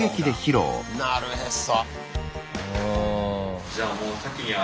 なるへそ。